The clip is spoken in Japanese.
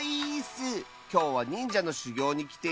きょうはにんじゃのしゅぎょうにきているよ！